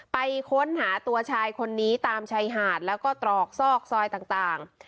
ไปค้นหาตัวชายคนนี้ตามชายหาดแล้วก็ตรอกซอกซอยต่าง